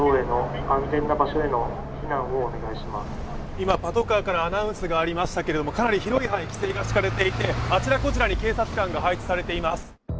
今、パトカーからアナウンスがありましたけれどもかなり広い範囲、規制が敷かれていてあちらこちらに警察官が配置されています。